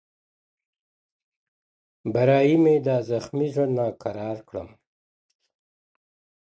برايی مي دا زخمي زړه ناکرار کړم،